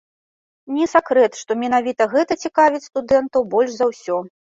Не сакрэт, што менавіта гэта цікавіць студэнтаў больш за ўсё.